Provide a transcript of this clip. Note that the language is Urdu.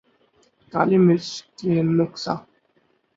کالی مرچ کے نقصا